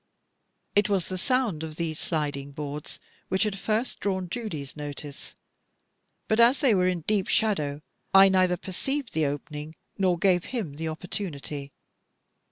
It was the sound of these sliding boards which had first drawn Judy's notice: but as they were in deep shadow, I neither perceived the opening, nor gave him the opportunity.